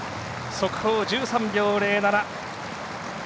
速報１３秒０７。